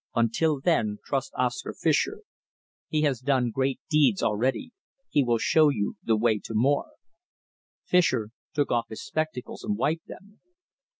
Until then, trust Oscar Fischer. He has done great deeds already. He will show you the way to more." Fischer took off his spectacles and wiped them.